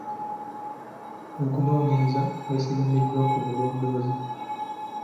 Okunoonyereza okwesigamiziddwa ku bulondoozi